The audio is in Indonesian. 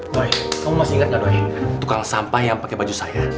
doi kamu masih ingat gak doi tukang sampah yang pake baju saya